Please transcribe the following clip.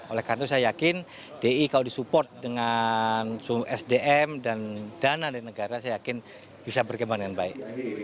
oleh karena itu saya yakin di kalau disupport dengan sdm dan dana dari negara saya yakin bisa berkembang dengan baik